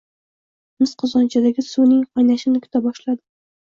mis qozonchadagi suvning qaynashini kuta boshladi.